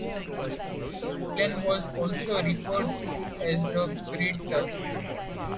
The plan was also referred to as the "Great Turn".